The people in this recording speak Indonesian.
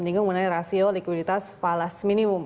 menyinggung mengenai rasio likuiditas falas minimum